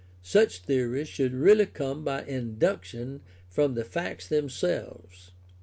Such theories should really come by induction from the facts themselves.